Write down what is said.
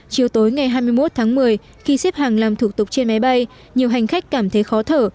chiều tối ngày hai mươi một tháng một mươi khi xếp hàng làm thủ tục trên máy bay nhiều hành khách cảm thấy khó thở